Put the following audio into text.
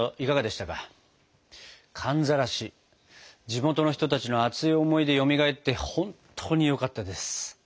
地元の人たちの熱い思いでよみがえって本当によかったです。